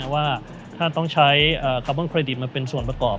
ว่าถ้าต้องใช้คาร์บอนเครดิตมาเป็นส่วนประกอบ